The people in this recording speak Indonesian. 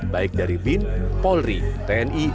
baik dari bin polri tni